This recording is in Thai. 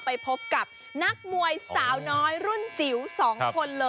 ไปพบกับนักมวยสาวน้อยรุ่นจิ๋ว๒คนเลย